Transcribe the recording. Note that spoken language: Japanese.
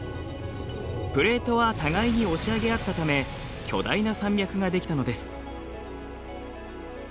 プレートは互いに押し上げ合ったため巨大な山脈が出来たのです。